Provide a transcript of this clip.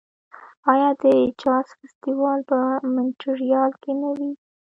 آیا د جاز فستیوال په مونټریال کې نه وي؟